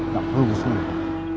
gak perlu semua